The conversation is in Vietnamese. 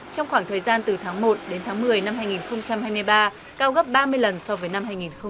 trong khoảng thời gian từ tháng một đến tháng một mươi năm hai nghìn hai mươi ba cao gấp ba mươi lần so với năm hai nghìn hai mươi hai